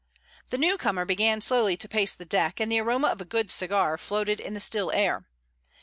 The newcomer began slowly to pace the deck, and the aroma of a good cigar floated in the still air.